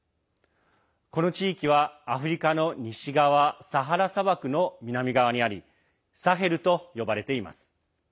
この地域は、アフリカの西側サハラ砂漠の南側にありサヘルと呼ばれています。